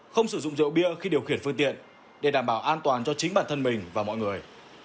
không sử dụng rượu bia khi điều khiển phương tiện để đảm bảo an toàn cho chính bản thân mình và mọi người